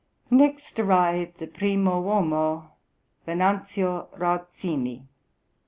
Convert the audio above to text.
Next arrived the primo uomo Venanzio Rauzzini (b.